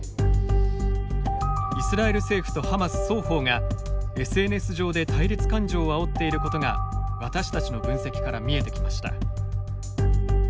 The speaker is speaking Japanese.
イスラエル政府とハマス双方がＳＮＳ上で対立感情をあおっていることが私たちの分析から見えてきました。